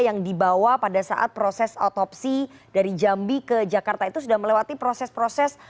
yang dibawa pada saat proses otopsi dari jambi ke jakarta itu sudah melewati proses proses